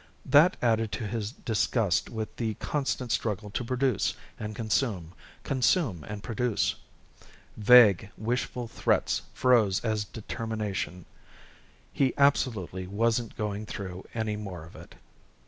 That added to his disgust with the constant struggle to produce and consume, consume and produce. Vague, wishful threats froze as determination: he absolutely wasn't going through any more of it.